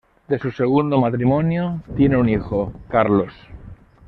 De su segundo matrimonio, tiene un hijo: Carlos.